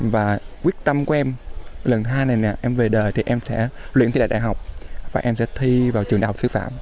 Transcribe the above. và quyết tâm của em lần hai này nè em về đời thì em sẽ luyện thi đại học và em sẽ thi vào trường đạo sư phạm